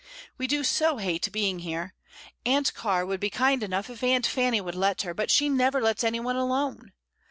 We do so hate being here. Aunt Car would be kind enough if Aunt Fanny would let her, but she never lets any one alone.